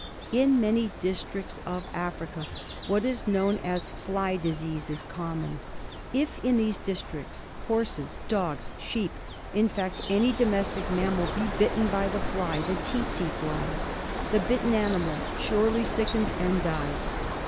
In many districts of Africa what is known as fly disease is common. If in these districts horses, dogs, sheep, in fact any domestic mammal be bitten by the fly — the tsetse fly — the bitten animal surely sickens and dies.